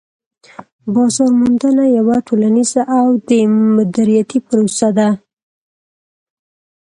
بازار موندنه یوه ټولنيزه او دمدریتی پروسه ده